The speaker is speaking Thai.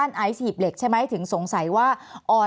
แอนตาซินเยลโรคกระเพาะอาหารท้องอืดจุกเสียดแสบร้อน